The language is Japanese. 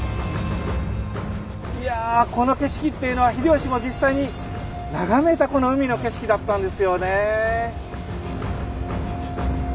いやこの景色っていうのは秀吉も実際に眺めたこの海の景色だったんですよねえ。